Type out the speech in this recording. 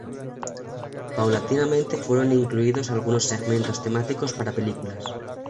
Paulatinamente fueron incluidos algunos segmentos temáticos para películas.